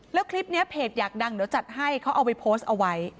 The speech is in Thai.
แล้วคลิปนี้เพจอยากดังเดี๋ยวจัดให้เขาเอาไปโพสต์เอาไว้